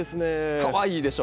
かわいいでしょ。